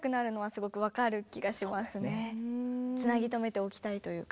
つなぎとめておきたいというか。